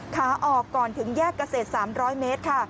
ขาออกก่อนถึงแยกเกษตร๓๐๐เมตรค่ะ